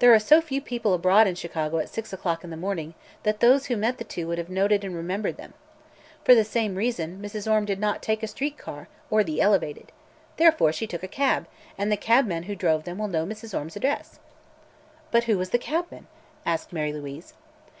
There are so few people abroad in Chicago at six o'clock in the morning that those who met the two would have noted and remembered them. For the same reason Mrs. Orme did not take a street car, or the elevated. Therefore, she took a cab, and the cabman who drove them will know Mrs. Orme's address." "But who was the cabman?" asked Mary Louise.